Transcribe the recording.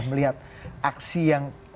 melihat aksi yang